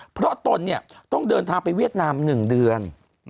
เพราะตนต้องเดินทางไปเวียดนาม๑เดือน